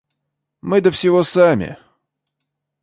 Мы до всего сами.